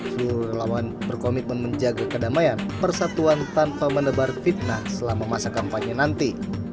seluruh relawan berkomitmen menjaga kedamaian persatuan tanpa menebar fitnah selama masa kampanye nanti